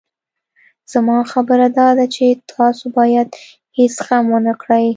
زما خبره داده چې تاسو بايد هېڅ غم ونه کړئ.